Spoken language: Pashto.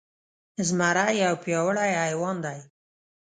زمری يو پياوړی حيوان دی.